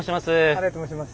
新井と申します。